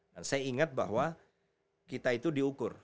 nah saya ingat bahwa kita itu diukur